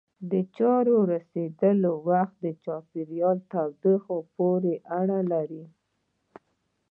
د اچارو رسېدلو وخت د چاپېریال تودوخې پورې اړه لري.